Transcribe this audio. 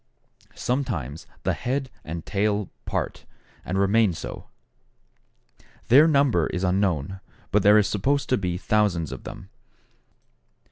Sometimes the head and tail part, and remain so. Their number is unknown, but there are supposed to be thousands of them.